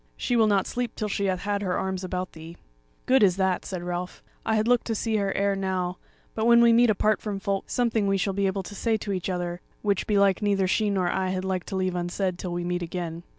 she will not sleep till she hath had her arms about thee." "Good is that," said Ralph; "I had looked to see her ere now; but when we meet apart from folk, something we shall be able to say to each other, which belike neither she nor I had liked to leave unsaid till we meet again."